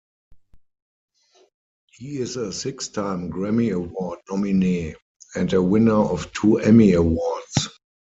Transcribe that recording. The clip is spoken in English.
He is a six-time Grammy Award nominee, and a winner of two Emmy Awards.